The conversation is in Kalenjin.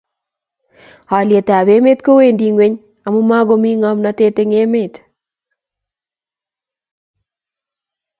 halyet ab emet kowendi ngweny amu makomi ngomnatet eng' emet